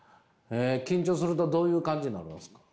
緊張するとどういう感じになるんですか？